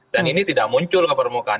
dan ini tidak muncul ke permukaan